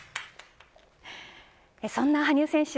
そんな羽生選手